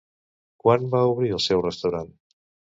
Quan va obrir el seu restaurant?